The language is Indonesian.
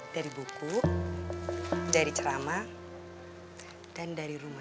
dari buku dari cerama dan dari rumah